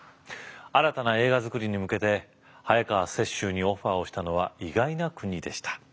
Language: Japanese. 新たな映画づくりにむけて早川雪洲にオファーをしたのは意外な国でした。